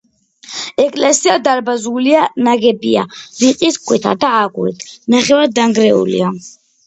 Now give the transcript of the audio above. ეკლესია დარბაზულია, ნაგებია რიყის ქვითა და აგურით, ნახევრად დანგრეულია.